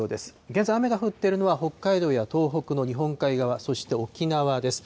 現在、雨が降っているのは、北海道や東北の日本海側、そして沖縄です。